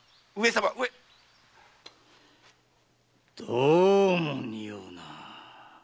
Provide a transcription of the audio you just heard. どうもにおうな。